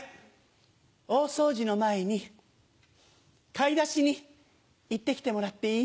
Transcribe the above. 大掃除の前に、買い出しに行ってきてもらっていい？